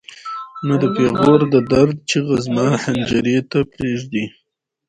نه د پېغور د درد چیغه زما حنجرې ته پرېږدي.